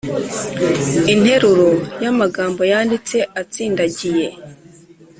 Interuro y ‘amagambo yanditse atsindagiye